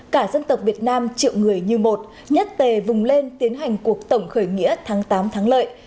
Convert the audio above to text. cả dân tộc việt nam triệu người như một nhất tề vùng lên tiến hành cuộc tổng khởi nghĩa tháng tám thắng lợi